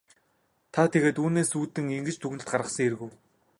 Та тэгээд үүнээс үүдэн ингэж дүгнэлт гаргасан хэрэг үү?